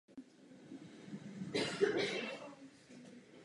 Tento stav trvá dodnes.